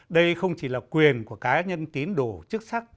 đây không chỉ là quyền của cá nhân tín đồ chức sắc